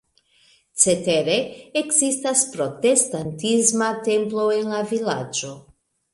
Cetere ekzistas protestantisma templo en la vilaĝo.